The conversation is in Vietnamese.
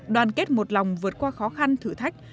đoàn kết một lòng vượt qua khó khăn thử thách